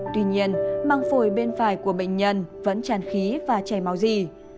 tuy nhiên màng phổi bên phải của bệnh nhân vẫn chàn khí và chảy máu dì